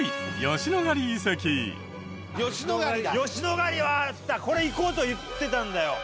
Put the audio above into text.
吉野ヶ里はこれ行こうと言ってたんだよ。